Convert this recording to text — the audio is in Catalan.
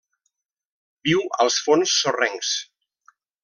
Viu als fons sorrencs.